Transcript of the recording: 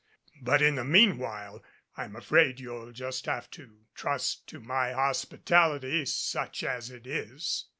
But in the meanwhile I'm afraid you'll have to trust to my hospitality such as it is."